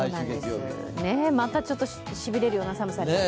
またちょっとしびれるような寒さになりますね。